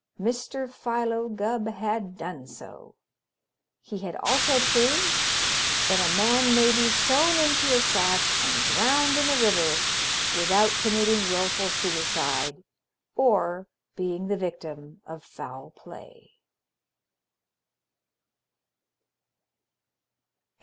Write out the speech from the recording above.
Mr. Philo Gubb had done so. He had also proved that a man may be sewn in a sack and drowned in a river without committing willful suicide or being the victim of foul play.